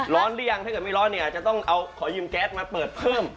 หรือยังถ้าเกิดไม่ร้อนเนี่ยจะต้องเอาขอยืมแก๊สมาเปิดเพิ่ม